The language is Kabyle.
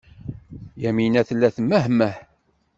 Yamina tella temmehmeh.